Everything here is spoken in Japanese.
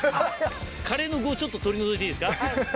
カレーの具をちょっと取り除いていいですか？